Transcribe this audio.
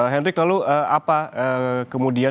hendrik lalu apa kemudian